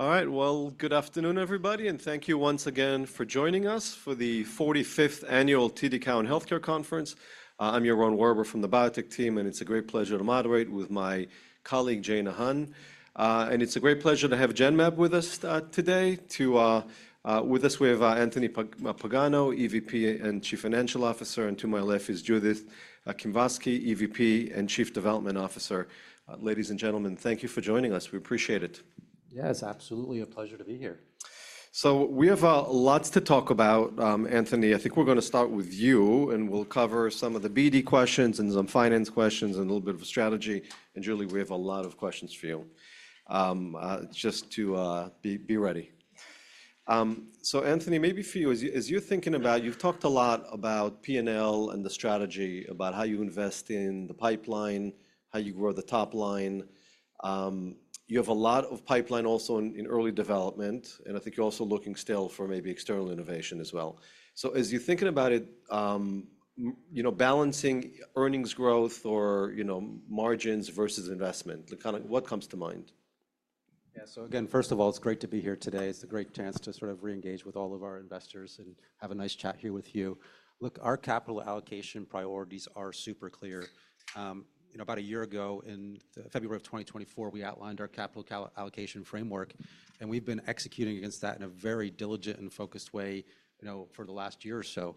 All right, well, good afternoon, everybody, and thank you once again for joining us for the 45th Annual TD Cowen Healthcare Conference. I'm Yaron Werber from the Biotech team, and it's a great pleasure to moderate with my colleague, Jeanna Han, and it's a great pleasure to have Genmab with us today. With us, we have Anthony Pagano, EVP and Chief Financial Officer, and to my left is Judith Klimovsky, EVP and Chief Development Officer. Ladies and gentlemen, thank you for joining us. We appreciate it. Yes, absolutely. A pleasure to be here. So we have lots to talk about, Anthony. I think we're going to start with you, and we'll cover some of the BD questions and some finance questions and a little bit of strategy. And Judith, we have a lot of questions for you. Just to be ready. So, Anthony, maybe for you, as you're thinking about, you've talked a lot about P&L and the strategy about how you invest in the pipeline, how you grow the top line. You have a lot of pipelines also in early development, and I think you're also looking still for maybe external innovation as well. So, as you're thinking about it, balancing earnings growth or margins versus investment, what comes to mind? Yeah, so again, first of all, it's great to be here today. It's a great chance to sort of reengage with all of our investors and have a nice chat here with you. Look, our capital allocation priorities are super clear. About a year ago, in February of 2024, we outlined our capital allocation framework, and we've been executing against that in a very diligent and focused way for the last year or so.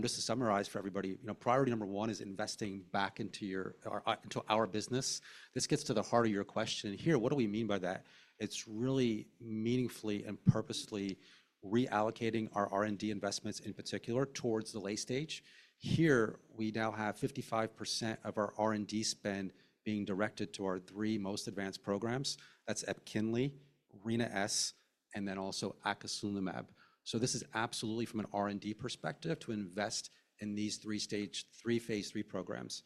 Just to summarize for everybody, priority number one is investing back into our business. This gets to the heart of your question here. What do we mean by that? It's really meaningfully and purposefully reallocating our R&D investments in particular towards the late stage. Here, we now have 55% of our R&D spend being directed to our three most advanced programs. That's EPKINLY, Rina-S, and then also Acasunlimab. This is absolutely from an R&D perspective to invest in these three phase three programs.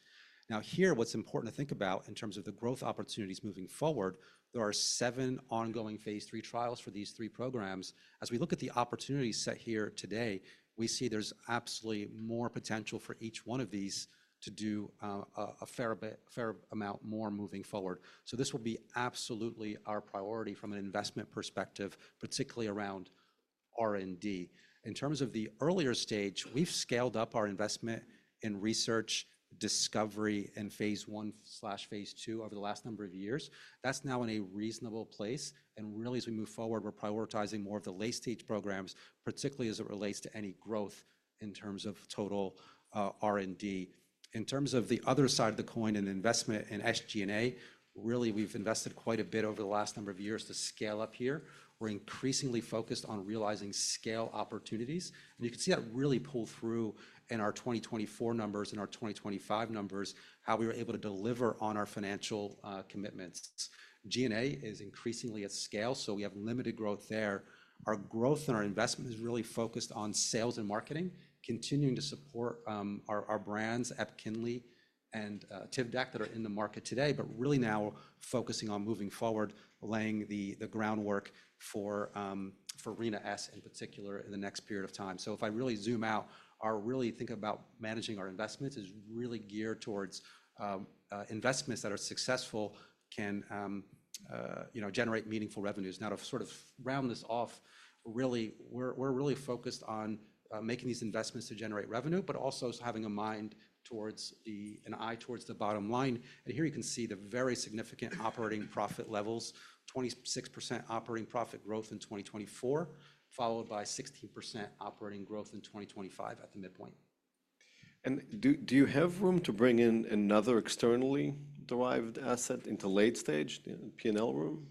Now here, what's important to think about in terms of the growth opportunities moving forward, there are seven ongoing phase three trials for these three programs. As we look at the opportunity set here today, we see there's absolutely more potential for each one of these to do a fair amount more moving forward. This will be absolutely our priority from an investment perspective, particularly around R&D. In terms of the earlier stage, we've scaled up our investment in research, discovery, and phase one/phase two over the last number of years. That's now in a reasonable place. Really, as we move forward, we're prioritizing more of the late-stage programs, particularly as it relates to any growth in terms of total R&D. In terms of the other side of the coin and investment in SG&A, really, we've invested quite a bit over the last number of years to scale up here. We're increasingly focused on realizing scale opportunities, and you can see that really pull through in our 2024 numbers and our 2025 numbers, how we were able to deliver on our financial commitments. G&A is increasingly at scale, so we have limited growth there. Our growth and our investment is really focused on sales and marketing, continuing to support our brands, EPKINLY and TIVDAK, that are in the market today, but really now focusing on moving forward, laying the groundwork for Rina-S in particular in the next period of time, so if I really zoom out and really think about managing our investments is really geared towards investments that are successful, can generate meaningful revenues. Now, to sort of round this off, really, we're really focused on making these investments to generate revenue, but also having a mind towards an eye towards the bottom line. And here you can see the very significant operating profit levels, 26% operating profit growth in 2024, followed by 16% operating growth in 2025 at the midpoint. And do you have room to bring in another externally derived asset into late stage, the P&L room?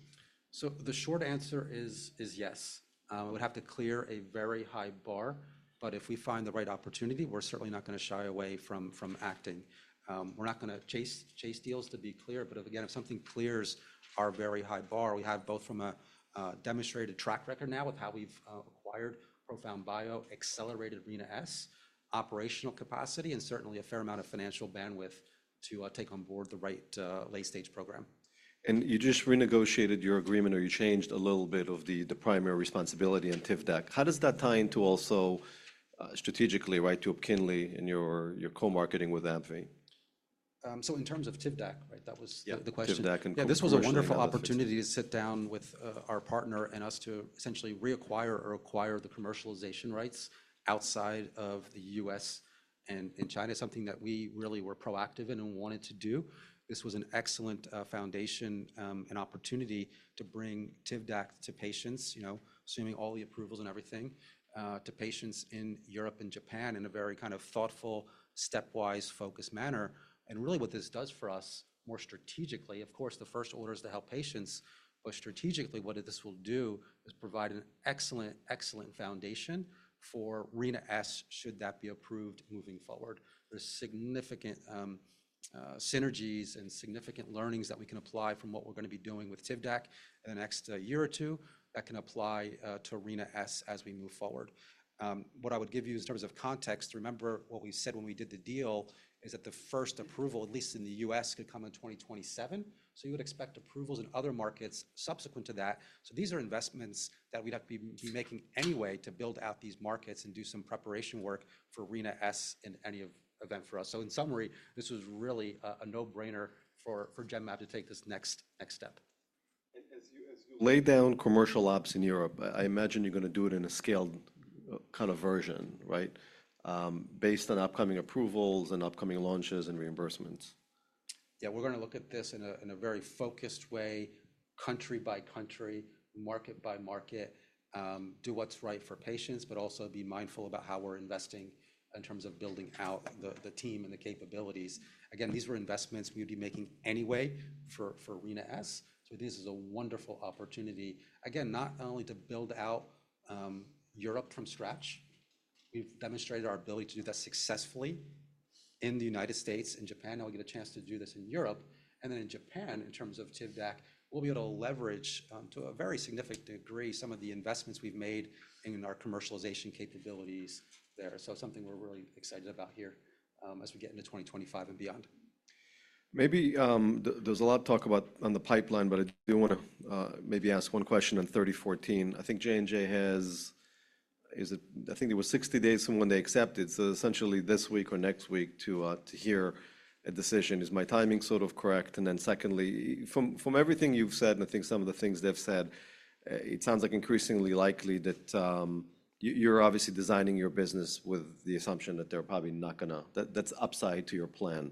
So the short answer is yes. We would have to clear a very high bar, but if we find the right opportunity, we're certainly not going to shy away from acting. We're not going to chase deals, to be clear. But again, if something clears our very high bar, we have both from a demonstrated track record now with how we've acquired ProfoundBio, accelerated Rina-S, operational capacity, and certainly a fair amount of financial bandwidth to take on board the right late-stage program. And you just renegotiated your agreement or you changed a little bit of the primary responsibility in TIVDAK. How does that tie into also strategically to EPKINLY in your co-marketing with Anthony? So in terms of TIVDAK, that was the question. Yeah, TIVDAK and co-marketing. This was a wonderful opportunity to sit down with our partner and us to essentially reacquire or acquire the commercialization rights outside of the U.S. and in China, something that we really were proactive in and wanted to do. This was an excellent foundation and opportunity to bring TIVDAK to patients, assuming all the approvals and everything, to patients in Europe and Japan in a very kind of thoughtful, stepwise focused manner. And really what this does for us more strategically, of course, the first order is to help patients, but strategically what this will do is provide an excellent, excellent foundation for Rina-S should that be approved moving forward. There's significant synergies and significant learnings that we can apply from what we're going to be doing with TIVDAK in the next year or two that can apply to Rina-S as we move forward. What I would give you in terms of context, remember what we said when we did the deal is that the first approval, at least in the U.S., could come in 2027. So you would expect approvals in other markets subsequent to that. So these are investments that we'd have to be making anyway to build out these markets and do some preparation work for Rina-S in any event for us. So in summary, this was really a no-brainer for Genmab to take this next step. As you lay down commercial ops in Europe, I imagine you're going to do it in a scaled kind of version, right, based on upcoming approvals and upcoming launches and reimbursements. Yeah, we're going to look at this in a very focused way, country by country, market by market, do what's right for patients, but also be mindful about how we're investing in terms of building out the team and the capabilities. Again, these were investments we would be making anyway for Rina-S. So this is a wonderful opportunity, again, not only to build out Europe from scratch. We've demonstrated our ability to do that successfully in the United States, in Japan. Now we get a chance to do this in Europe. And then in Japan, in terms of TIVDAK, we'll be able to leverage to a very significant degree some of the investments we've made in our commercialization capabilities there. So something we're really excited about here as we get into 2025 and beyond. Maybe there's a lot of talk about on the pipeline, but I do want to maybe ask one question on 3014. I think J&J has, I think it was 60 days from when they accepted. So essentially this week or next week to hear a decision. Is my timing sort of correct? And then secondly, from everything you've said, and I think some of the things they've said, it sounds like increasingly likely that you're obviously designing your business with the assumption that they're probably not going to, that's upside to your plan.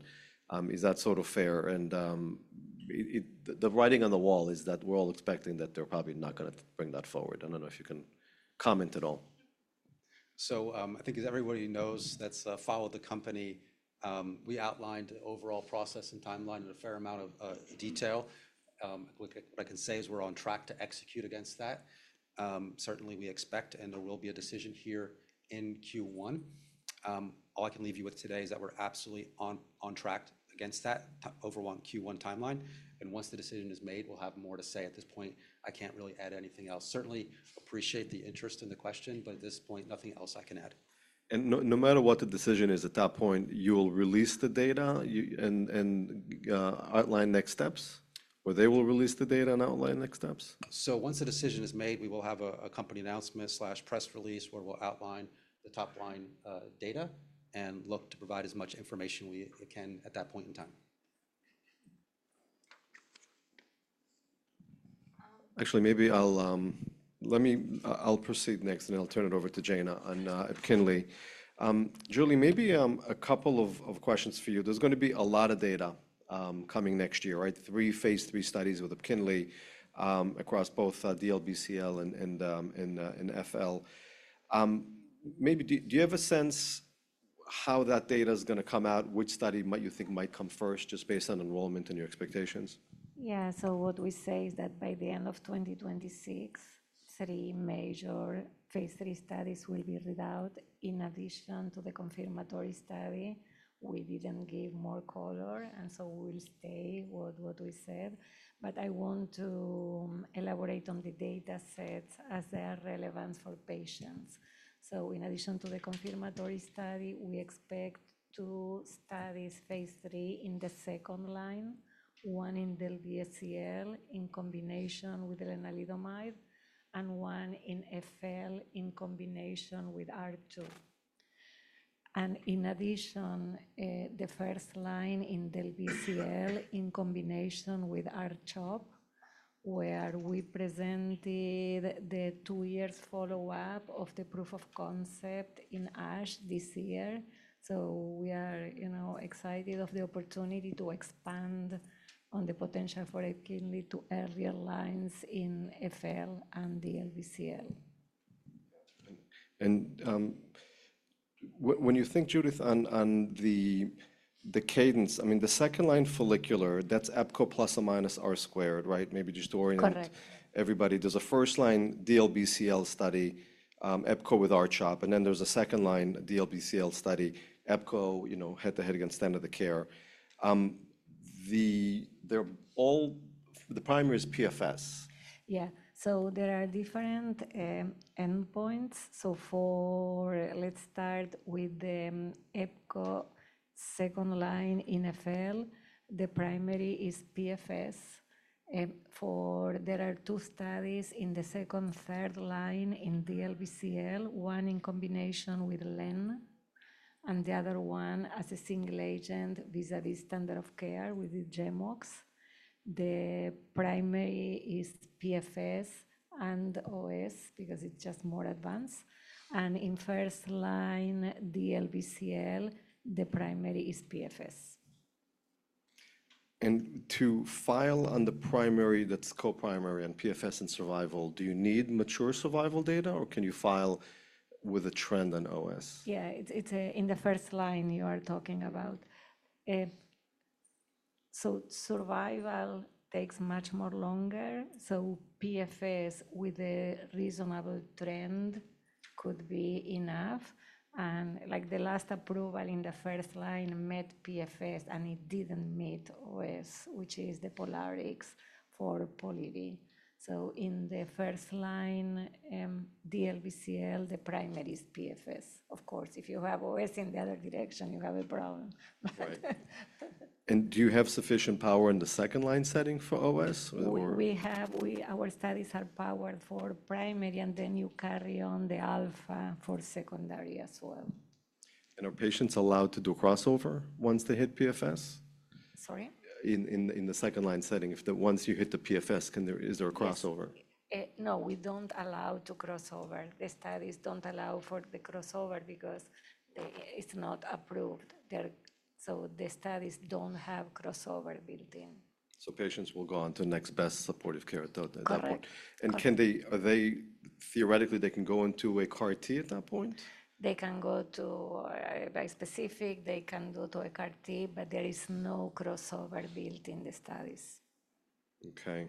Is that sort of fair? And the writing on the wall is that we're all expecting that they're probably not going to bring that forward. I don't know if you can comment at all. I think as everybody knows who's followed the company, we outlined the overall process and timeline in a fair amount of detail. What I can say is we're on track to execute against that. Certainly, we expect, and there will be a decision here in Q1. All I can leave you with today is that we're absolutely on track against that overall Q1 timeline. Once the decision is made, we'll have more to say at this point. I can't really add anything else. I certainly appreciate the interest in the question, but at this point, nothing else I can add. No matter what the decision is at that point, you will release the data and outline next steps? Or they will release the data and outline next steps? So once the decision is made, we will have a company announcement/press release where we'll outline the top line data and look to provide as much information we can at that point in time. Actually, maybe I'll proceed next and I'll turn it over to Jeanna on EPKINLY. Judith, maybe a couple of questions for you. There's going to be a lot of data coming next year, right? Three phase three studies with EPKINLY across both DLBCL and FL. Maybe do you have a sense how that data is going to come out? Which study might you think might come first just based on enrollment and your expectations? Yeah, so what we say is that by the end of 2026, three major phase three studies will be rolled out in addition to the confirmatory study. We didn't give more color, and so we'll stay with what we said. But I want to elaborate on the data sets as they are relevant for patients. So in addition to the confirmatory study, we expect two studies, phase three, in the second line, one in DLBCL in combination with lenalidomide and one in FL in combination with R2. And in addition, the first line in DLBCL in combination with R-CHOP, where we presented the two years follow-up of the proof of concept in ASH this year. So we are excited of the opportunity to expand on the potential for EPKINLY to earlier lines in FL and DLBCL. And when you think, Judith, on the cadence, I mean, the second line follicular, that's EPKINLY plus or minus R squared, right? Maybe just to orient everybody. There's a first line DLBCL study, EPKINLY with R-CHOP, and then there's a second line DLBCL study, EPKINLY head-to-head against standard of care. The primary is PFS. Yeah, so there are different endpoints. So let's start with the Epco second line in FL. The primary is PFS. There are two studies in the second, third line in DLBCL, one in combination with LEN and the other one as a single agent vis-à-vis standard of care with GemOx. The primary is PFS and OS because it's just more advanced. And in first line, DLBCL, the primary is PFS. To file on the primary that's co-primary and PFS and survival, do you need mature survival data or can you file with a trend on OS? Yeah, it's in the first line you are talking about. So survival takes much more longer. So PFS with a reasonable trend could be enough. And like the last approval in the first line met PFS and it didn't meet OS, which is the POLARIX for POLIVY. So in the first line, DLBCL, the primary is PFS. Of course, if you have OS in the other direction, you have a problem. Do you have sufficient power in the second line setting for OS? We have. Our studies are powered for primary and then you carry on the alpha for secondary as well. Are patients allowed to do crossover once they hit PFS? Sorry? In the second line setting, if once you hit the PFS, is there a crossover? No, we don't allow to crossover. The studies don't allow for the crossover because it's not approved. So the studies don't have crossover built in. Patients will go on to next best supportive care at that point. Correct. Theoretically, they can go into a CAR-T at that point? They can go to bispecific, they can go to a CAR-T, but there is no crossover built in the studies. Okay.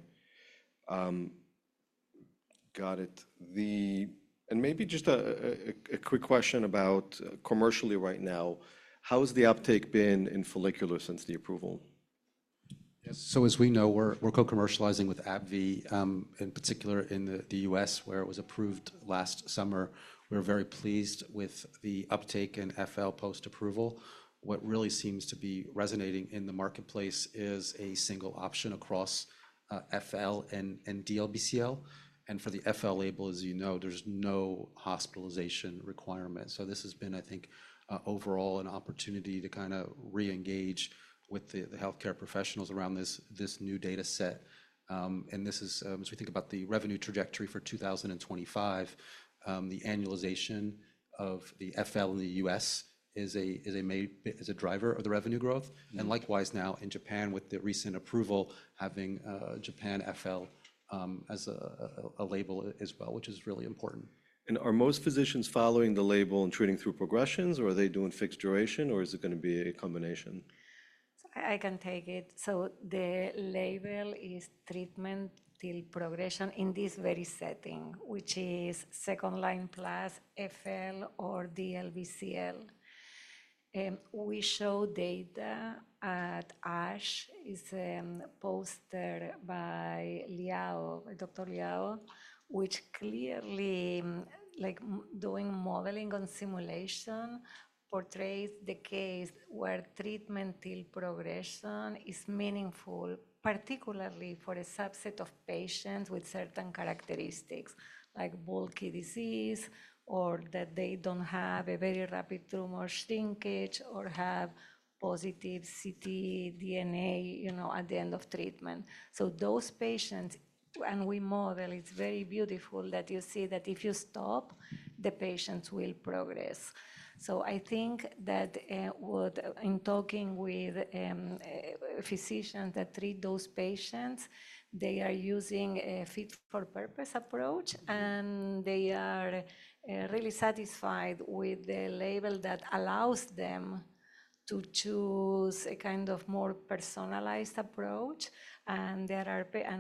Got it. And maybe just a quick question about commercially right now, how has the uptake been in follicular since the approval? So as we know, we're co-commercializing with AbbVie, in particular in the U.S. where it was approved last summer. We're very pleased with the uptake in FL post-approval. What really seems to be resonating in the marketplace is a single option across FL and DLBCL. And for the FL label, as you know, there's no hospitalization requirement. So this has been, I think, overall an opportunity to kind of re-engage with the healthcare professionals around this new data set. And this is, as we think about the revenue trajectory for 2025, the annualization of the FL in the U.S. is a driver of the revenue growth. And likewise now in Japan, with the recent approval, having Japan FL as a label as well, which is really important. Are most physicians following the label and treating through progressions, or are they doing fixed duration, or is it going to be a combination? I can take it, so the label is treatment till progression in this very setting, which is second line plus FL or DLBCL. We show data at ASH. It's posted by Dr. Liao, which clearly, like doing modeling on simulation, portrays the case where treatment till progression is meaningful, particularly for a subset of patients with certain characteristics like bulky disease or that they don't have a very rapid tumor shrinkage or have positive CT DNA at the end of treatment, so those patients, and we model, it's very beautiful that you see that if you stop, the patients will progress, so I think that in talking with physicians that treat those patients, they are using a fit for purpose approach and they are really satisfied with the label that allows them to choose a kind of more personalized approach. And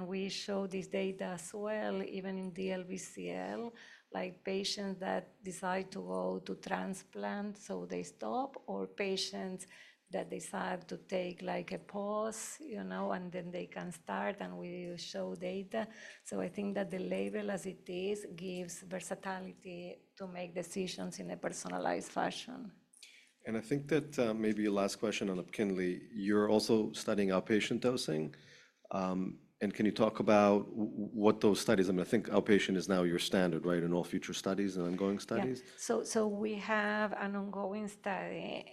we show this data as well, even in DLBCL, like patients that decide to go to transplant, so they stop, or patients that decide to take like a pause and then they can start and we show data. So, I think that the label as it is gives versatility to make decisions in a personalized fashion. I think that maybe last question on EPKINLY, you're also studying outpatient dosing. Can you talk about what those studies? I mean, I think outpatient is now your standard, right, in all future studies and ongoing studies? So we have an ongoing study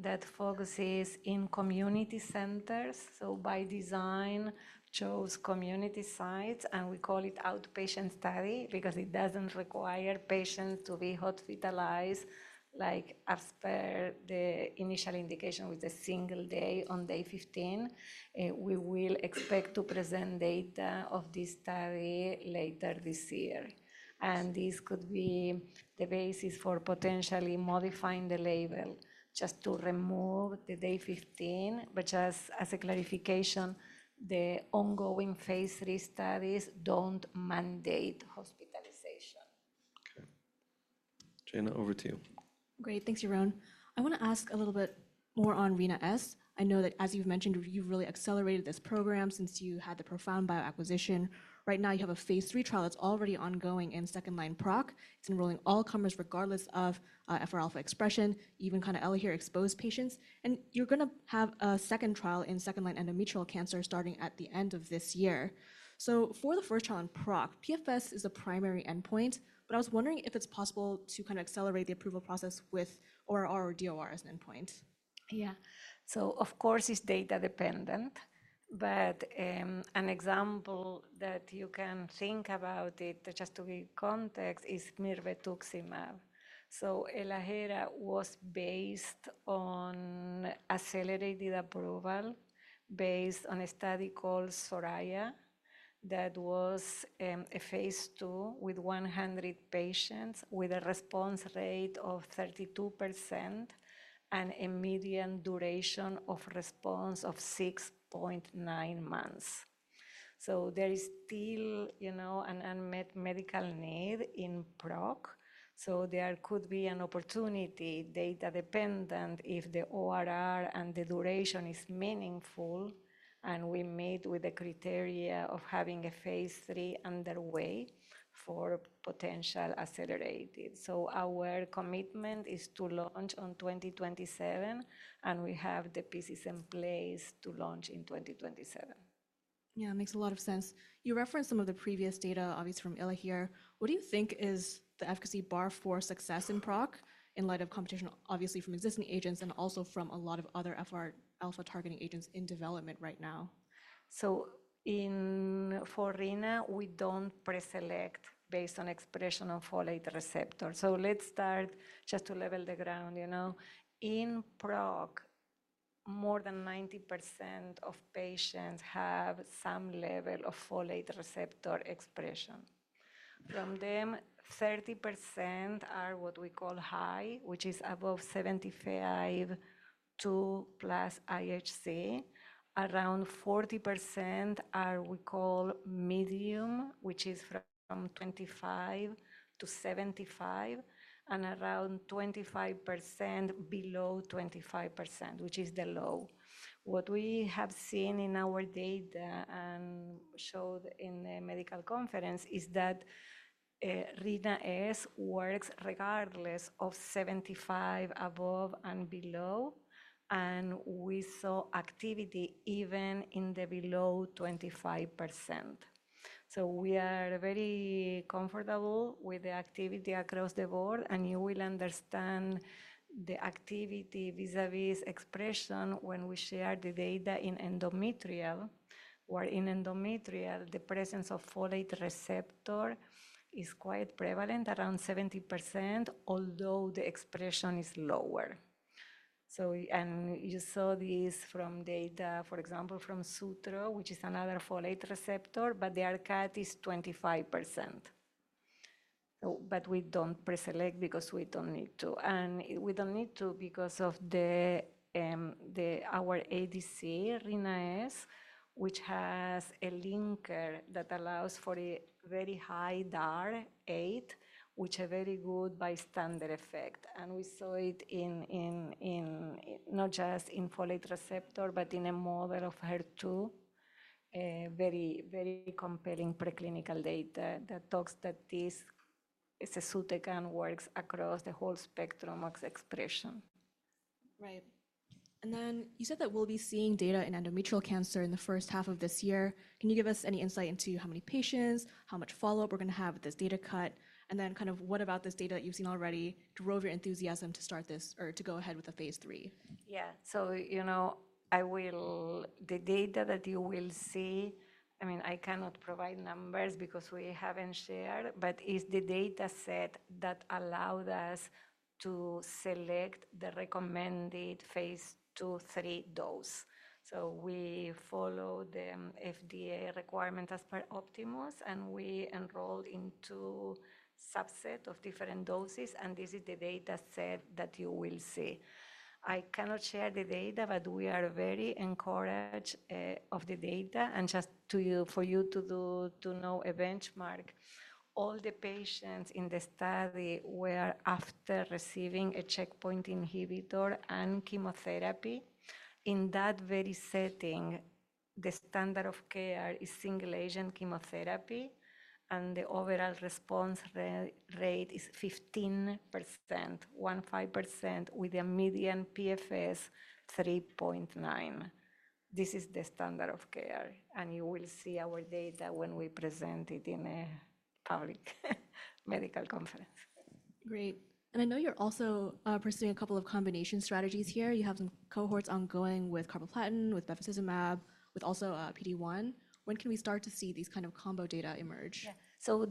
that focuses in community centers. So by design, chose community sites and we call it outpatient study because it doesn't require patients to be hospitalized like after the initial indication with a single day on day 15. We will expect to present data of this study later this year. And this could be the basis for potentially modifying the label just to remove the day 15, but just as a clarification, the ongoing phase three studies don't mandate hospitalization. Okay. Jane, over to you. Great. Thanks, Jerome. I want to ask a little bit more on RINA-S. I know that as you've mentioned, you've really accelerated this program since you had the ProfoundBio acquisition. Right now, you have a phase three trial that's already ongoing in second-line PROC. It's enrolling all comers regardless of FR alpha expression, even kind of Elahere exposed patients, and you're going to have a second trial in second-line endometrial cancer starting at the end of this year, so for the first trial in PROC, PFS is the primary endpoint, but I was wondering if it's possible to kind of accelerate the approval process with ORR or DOR as an endpoint. Yeah. So of course, it's data dependent, but an example that you can think about it, just to give context, is mirvetuximab. So Elahere was based on accelerated approval based on a study called Soraya that was a phase two with 100 patients with a response rate of 32% and a median duration of response of 6.9 months. So there is still an unmet medical need in PROC. So there could be an opportunity data dependent if the ORR and the duration is meaningful and we meet with the criteria of having a phase three underway for potential accelerated. So our commitment is to launch on 2027 and we have the PCs in place to launch in 2027. Yeah, it makes a lot of sense. You referenced some of the previous data, obviously from Elahere. What do you think is the efficacy bar for success in PROC in light of competition, obviously from existing agents and also from a lot of other FR alpha targeting agents in development right now? So for RINA, we don't preselect based on expression on folate receptor. So let's start just to level the ground. In PROC, more than 90% of patients have some level of folate receptor expression. From them, 30% are what we call high, which is above 75 to plus IHC. Around 40% are what we call medium, which is from 25 to 75, and around 25% below 25%, which is the low. What we have seen in our data and showed in the medical conference is that RINA-S works regardless of 75 above and below, and we saw activity even in the below 25%. So we are very comfortable with the activity across the board, and you will understand the activity vis-à-vis expression when we share the data in endometrial, where in endometrial, the presence of folate receptor is quite prevalent, around 70%, although the expression is lower. And you saw this from data, for example, from Sutro, which is another folate receptor, but the ORR is 25%. But we don't preselect because we don't need to. And we don't need to because of our ADC, RINA-S, which has a linker that allows for a very high DAR 8, which is a very good bystander effect. And we saw it not just in folate receptor, but in a model of HER2, very compelling preclinical data that talks that this is a sort that can work across the whole spectrum of expression. Right. And then you said that we'll be seeing data in endometrial cancer in the first half of this year. Can you give us any insight into how many patients, how much follow-up we're going to have with this data cut, and then kind of what about this data that you've seen already drove your enthusiasm to start this or to go ahead with a phase 3? Yeah, so the data that you will see, I mean, I cannot provide numbers because we haven't shared, but it's the data set that allowed us to select the recommended phase two, three dose, so we follow the FDA requirement as per Optimus, and we enrolled into a subset of different doses, and this is the data set that you will see. I cannot share the data, but we are very encouraged of the data, and just for you to know a benchmark, all the patients in the study were after receiving a checkpoint inhibitor and chemotherapy. In that very setting, the standard of care is single agent chemotherapy, and the overall response rate is 15%, 15% with a median PFS 3.9. This is the standard of care, and you will see our data when we present it in a public medical conference. Great, and I know you're also pursuing a couple of combination strategies here. You have some cohorts ongoing with carboplatin, with bevacizumab, with also PD-1. When can we start to see these kind of combo data emerge? Yeah,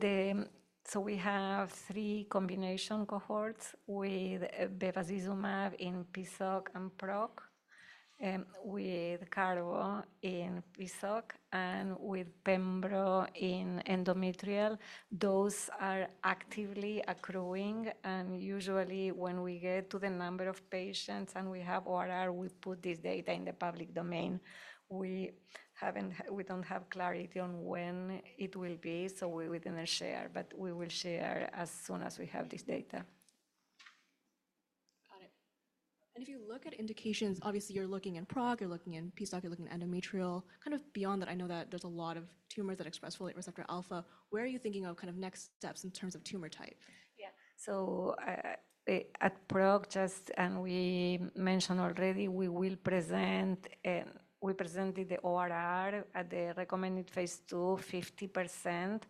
so we have three combination cohorts with bevacizumab in PSOC and PROC, with Carbo in PSOC, and with Pembro in endometrial. Those are actively accruing, and usually, when we get to the number of patients and we have ORR, we put this data in the public domain. We don't have clarity on when it will be, so we didn't share, but we will share as soon as we have this data. Got it. And if you look at indications, obviously you're looking in PROC, you're looking in PSOC, you're looking in endometrial. Kind of beyond that, I know that there's a lot of tumors that express folate receptor alpha. Where are you thinking of kind of next steps in terms of tumor type? Yeah. So at PROC, and we mentioned already, we will present the ORR at the recommended phase 2, 50%.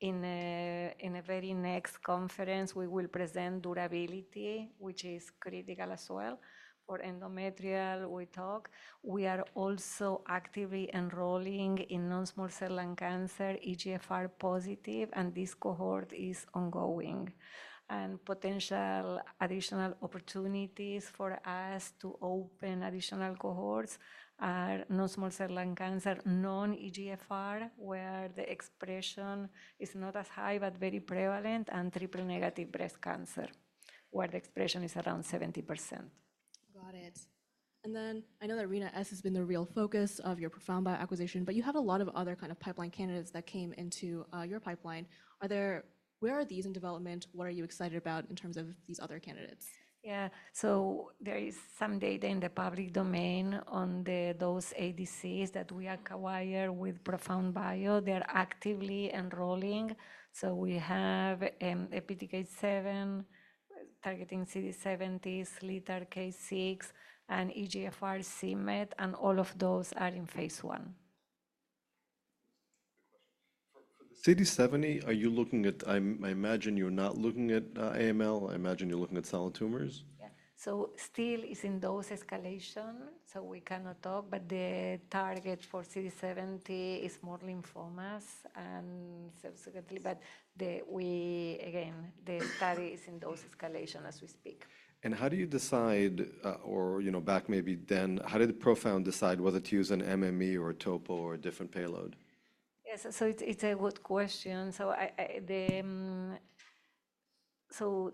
In the very next conference, we will present durability, which is critical as well. For endometrial, we talk. We are also actively enrolling in non-small-cell lung cancer, EGFR-positive, and this cohort is ongoing. And potential additional opportunities for us to open additional cohorts are non-small-cell lung cancer, non-EGFR, where the expression is not as high, but very prevalent, and triple-negative breast cancer, where the expression is around 70%. Got it. And then I know that Rina-S has been the real focus of your ProfoundBio acquisition, but you have a lot of other kind of pipeline candidates that came into your pipeline. Where are these in development? What are you excited about in terms of these other candidates? Yeah. So there is some data in the public domain on those ADCs that we acquire with ProfoundBio. They're actively enrolling. So we have PTK7 targeting CD70, LITARK6, and EGFR/c-Met, and all of those are in phase one. For the CD70, are you looking at, I imagine you're not looking at AML, I imagine you're looking at solid tumors? Yeah. So still, it's in dose escalation, so we cannot talk, but the target for CD70 is more lymphomas. And again, the study is in dose escalation as we speak. How do you decide, or back maybe then, how did Profound decide whether to use an MMAE or a topo or a different payload? Yes. So it's a good question. So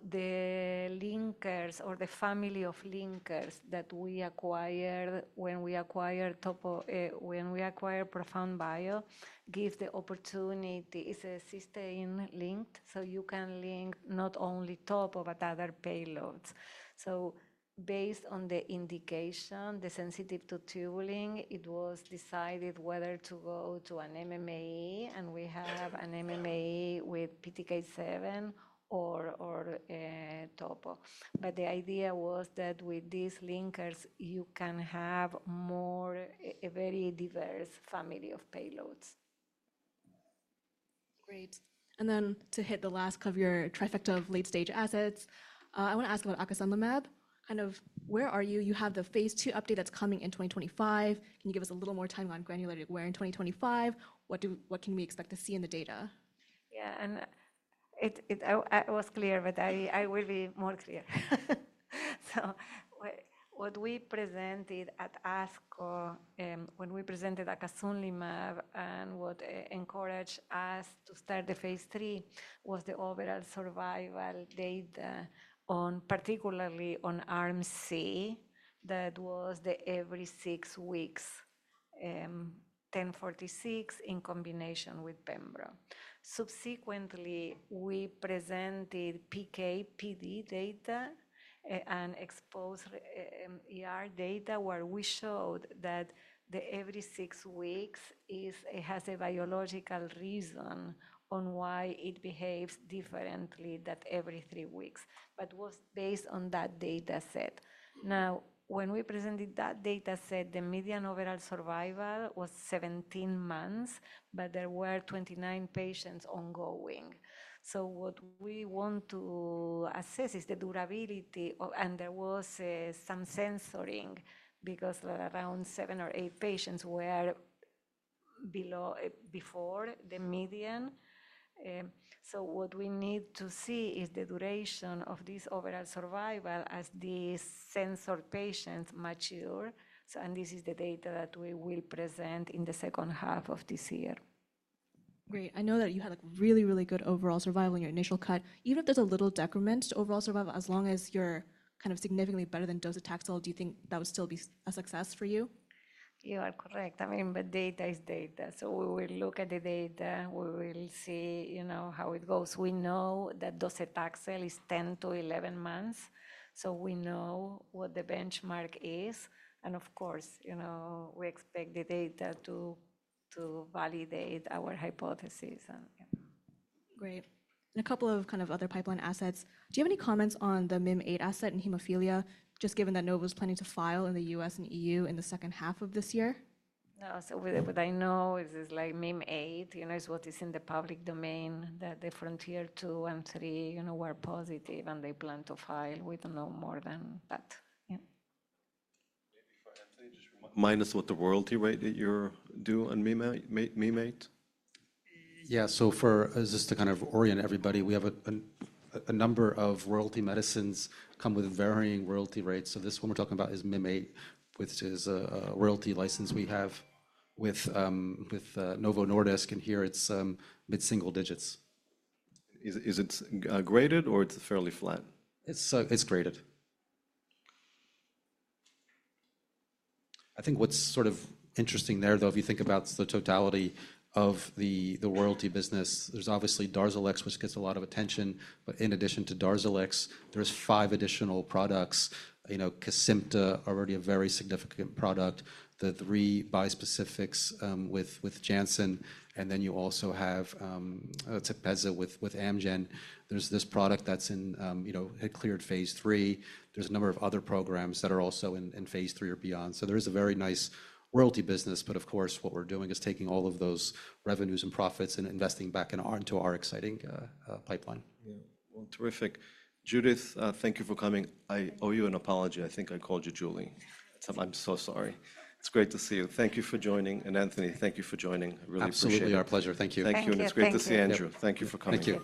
the linkers or the family of linkers that we acquired when we acquired ProfoundBio gives the opportunity. It's a cysteine-linked, so you can link not only topo, but other payloads. So based on the indication, the sensitivity to tubulin, it was decided whether to go to an MMAE, and we have an MMAE with PTK7 or topo. But the idea was that with these linkers, you can have a very diverse family of payloads. Great. And then to hit the last of your trifecta of late-stage assets, I want to ask about acasanlimab. Kind of where are you? You have the phase 2 update that's coming in 2025. Can you give us a little more timeline on granularity where in 2025? What can we expect to see in the data? Yeah. And it was clear, but I will be more clear. So what we presented at ASCO, when we presented acasunlimab and what encouraged us to start the phase three was the overall survival data particularly in Arm C that was the every six weeks GEN-1046 in combination with Pembro. Subsequently, we presented PKPD data and exposure data where we showed that the every six weeks has a biological reason on why it behaves differently than every three weeks, but was based on that data set. Now, when we presented that data set, the median overall survival was 17 months, but there were 29 patients ongoing. So what we want to assess is the durability, and there was some censoring because around seven or eight patients were below before the median. So what we need to see is the duration of this overall survival as these censored patients mature. This is the data that we will present in the second half of this year. Great. I know that you had really, really good overall survival in your initial cut. Even if there's a little decrement to overall survival, as long as you're kind of significantly better than docetaxel, do you think that would still be a success for you? You are correct. I mean, but data is data. So we will look at the data. We will see how it goes. We know that docetaxel is 10-11 months, so we know what the benchmark is. And of course, we expect the data to validate our hypotheses. Great. And a couple of kind of other pipeline assets. Do you have any comments on the Mim8 asset in hemophilia, just given that Novo is planning to file in the U.S. and EU in the second half of this year? No, so what I know is like Mim8 is what is in the public domain, that the FRONTIER two and three were positive and they plan to file. We don't know more than that. Maybe for Anthony, just remind us what the royalty rate that you do on Mim8? Yeah, so just to kind of orient everybody, we have a number of royalty medicines come with varying royalty rates, so this one we're talking about is Mim8, which is a royalty license we have with Novo Nordisk, and here it's mid-single digits. Is it graded or it's fairly flat? It's graded. I think what's sort of interesting there, though, if you think about the totality of the royalty business, there's obviously DARZALEX, which gets a lot of attention, but in addition to DARZALEX, there's five additional products. Kesimpta is already a very significant product. The three bispecifics with Janssen, and then you also have TEPEZZA with Amgen. There's this product that's had cleared phase three. There's a number of other programs that are also in phase three or beyond. So there is a very nice royalty business, but of course, what we're doing is taking all of those revenues and profits and investing back into our exciting pipeline. Yeah, well, terrific. Judith, thank you for coming. I owe you an apology. I think I called you Julie. I'm so sorry. It's great to see you. Thank you for joining, and Anthony, thank you for joining. I really appreciate it. Absolutely. Our pleasure. Thank you. Thank you, and it's great to see Andrew. Thank you for coming.